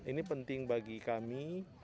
ini penting bagi kami